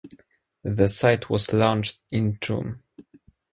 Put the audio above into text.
The site was launched in June.